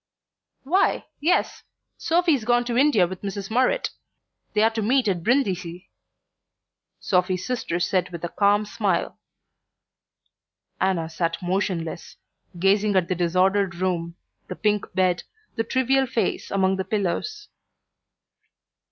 "Why, yes. Sophy's gone to India with Mrs. Murrett; they're to meet at Brindisi," Sophy's sister said with a calm smile. Anna sat motionless, gazing at the disordered room, the pink bed, the trivial face among the pillows.